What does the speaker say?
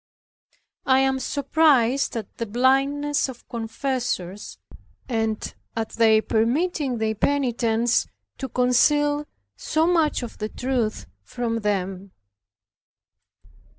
I am surprised at the blindness of confessors, and at their permitting their penitents to conceal so much of the truth from them.